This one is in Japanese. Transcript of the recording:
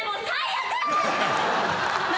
何？